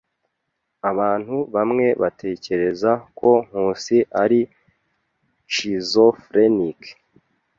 Abantu bamwe batekereza ko Nkusi ari schizofrenic.